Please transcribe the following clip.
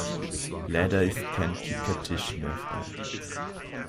Leider ist kein Kickertisch mehr frei.